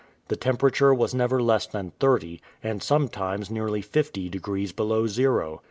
The temperature was never less than thirty, and sometimes nearly fifty degrees below zero.